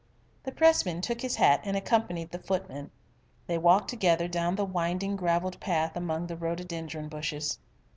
The Pressman took his hat and accompanied the footman. They walked together down the winding gravelled path among the rhododendron bushes.